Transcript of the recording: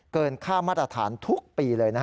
เกินค่ามาตรฐานทุกปีเลย